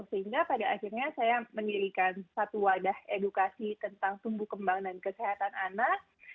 sehingga pada akhirnya saya mendirikan satu wadah edukasi tentang tumbuh kembang dan kesehatan anak